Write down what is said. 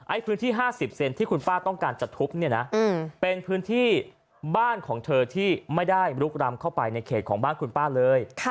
พื้นที่๕๐เซนที่คุณป้าต้องการจะทุบเนี่ยนะเป็นพื้นที่บ้านของเธอที่ไม่ได้ลุกรำเข้าไปในเขตของบ้านคุณป้าเลย